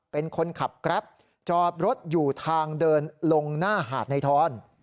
เป็นคนขับแกรปจอดรถอยู่ทางเดินลงหน้าหาดในทอน